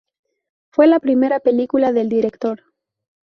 Fue la primera película del director.